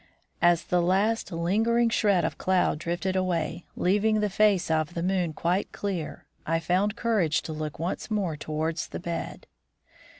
As the last lingering shred of cloud drifted away, leaving the face of the moon quite clear, I found courage to look once more towards the bed.